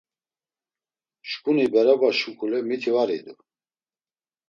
Şǩuni beroba şuǩule miti var idu.